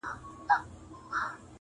پر قاتل یې زیارت جوړ دی بختور دی-